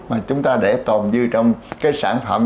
mà chúng ta để tồn dư trong cái sản phẩm